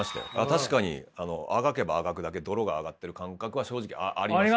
確かにあがけばあがくだけ泥が上がってる感覚は正直ありますよ。